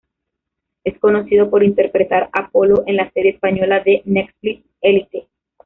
Es conocido por interpretar a Polo en la serie española de Netflix "Élite".